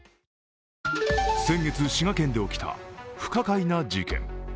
先月、滋賀県で起きた不可解な事件。